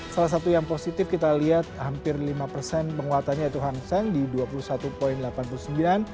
salah satu yang positif kita lihat hampir lima persen penguatannya yaitu hanseng di dua puluh satu delapan puluh sembilan